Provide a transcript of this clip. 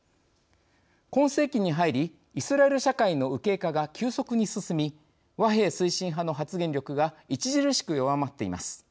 今世紀に入りイスラエル社会の右傾化が急速に進み和平推進派の発言力が著しく弱まっています。